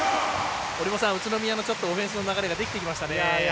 宇都宮のオフェンスの流れができてきましたね。